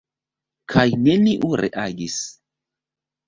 Kaj neniu reagis.